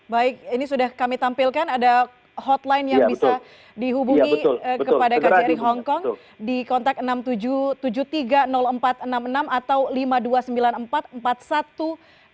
baik ini sudah kami tampilkan ada hotline yang bisa dihubungi kepada kjri hongkong di kontak enam tujuh puluh tiga empat ratus enam puluh enam atau lima ribu dua ratus sembilan puluh empat